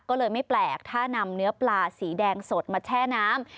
ก็เลยไม่แปลกถ้านำเนื้อปลาสีแดงสดมาแช่น้ำ